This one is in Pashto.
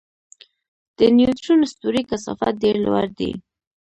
د نیوټرون ستوري کثافت ډېر لوړ دی.